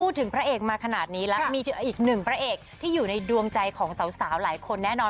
พระเอกมาขนาดนี้แล้วมีอีกหนึ่งพระเอกที่อยู่ในดวงใจของสาวหลายคนแน่นอน